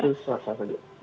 jadi itu selasa selasa itu